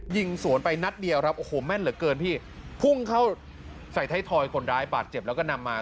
ยิงสวนไปนัดเดียวครับโอ้โหแม่นเหลือเกินพี่พุ่งเข้าใส่ไทยทอยคนร้ายบาดเจ็บแล้วก็นำมา